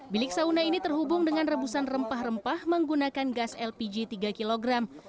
bilik sauna ini terhubung dengan rebusan rempah rempah menggunakan gas lpg tiga kg